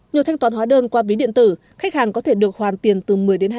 nhờ thanh toán hóa đơn qua ví điện tử khách hàng có thể được hoàn tiền từ một mươi hai mươi